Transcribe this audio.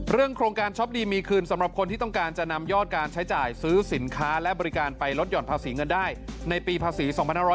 โครงการช็อปดีมีคืนสำหรับคนที่ต้องการจะนำยอดการใช้จ่ายซื้อสินค้าและบริการไปลดหย่อนภาษีเงินได้ในปีภาษี๒๕๖๐